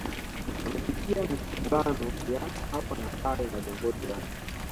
Amepitia misuguano ya hapa na pale na viongozi wake